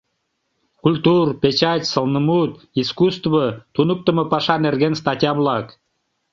КУЛЬТУР, ПЕЧАТЬ, СЫЛНЫМУТ, ИСКУССТВО, ТУНЫКТЫМО ПАША НЕРГЕН СТАТЬЯ-ВЛАК